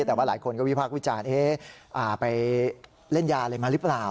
แต่ว่าหลายคนก็วิพากษ์วิจารณ์ไปเล่นยาอะไรมาหรือเปล่า